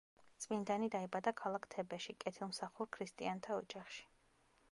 წმინდანი დაიბადა ქალაქ თებეში, კეთილმსახურ ქრისტიანთა ოჯახში.